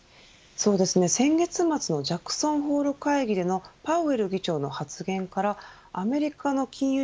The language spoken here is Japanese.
先月末のジャクソンホール会議でのパウエル議長の発言からアメリカの金融